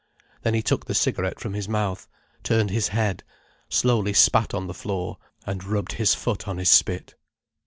Then he took the cigarette from his mouth, turned his head, slowly spat on the floor, and rubbed his foot on his spit.